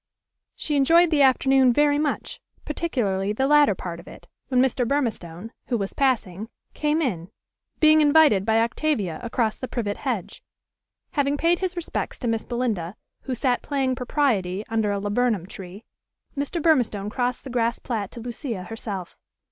She enjoyed the afternoon very much, particularly the latter part of it, when Mr. Burmistone, who was passing, came in, being invited by Octavia across the privet hedge. Having paid his respects to Miss Belinda, who sat playing propriety under a laburnum tree, Mr. Burmistone crossed the grass plat to Lucia herself.